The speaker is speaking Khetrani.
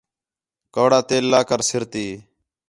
کَوڑا تیل لا کر سِر تی